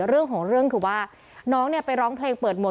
เรื่องของเรื่องคือว่าน้องเนี่ยไปร้องเพลงเปิดหวด